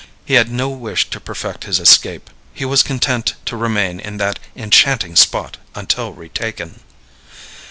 He had no wish to perfect his escape, he was content to remain in that enchanting spot until retaken.